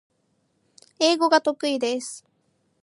英語が得意です